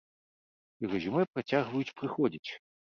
І рэзюмэ працягваюць прыходзіць!